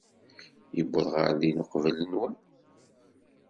Yuweḍ ɣer din uqbel-nwen.